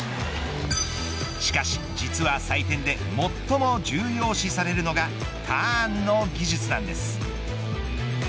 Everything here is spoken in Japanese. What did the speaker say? しかし、実は採点で最も重要視されるのがターンの技術なんです。